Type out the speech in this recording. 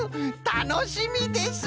たのしみです！